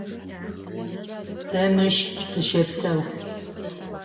Сэ мыщ сыщэпсэу.